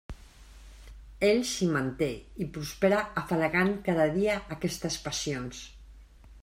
Ell s'hi manté i hi prospera afalagant cada dia aquestes passions.